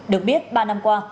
được biết ba năm qua